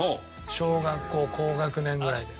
小学校高学年ぐらいで。